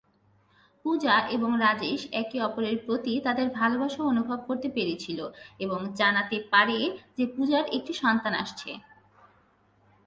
পূজা এবং রাজেশ একে অপরের প্রতি তাদের ভালবাসা অনুভব করতে পেরেছিল এবং জানাতে পারে যে পূজার একটি সন্তান আসছে।